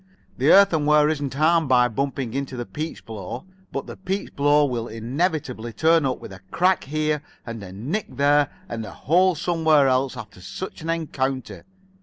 The earthen ware isn't harmed by bumping into the peachblow, but the peachblow will inevitably turn up with a crack here and a nick there and a hole somewhere else after such an encounter.